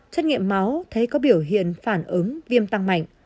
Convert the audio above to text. xét nghiệm máu thấy có biểu hiện phản ứng viêm tăng mạnh